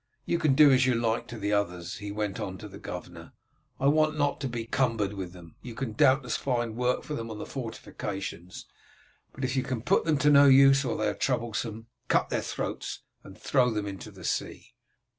You can do as you like to the others," he went on to the governor, "I want not to be cumbered with them. You can doubtless find work for them on the fortifications, but if you can put them to no use or they are troublesome, cut their throats and throw them into the sea."